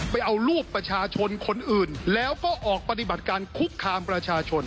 ไปเอารูปประชาชนคนอื่นแล้วก็ออกปฏิบัติการคุกคามประชาชน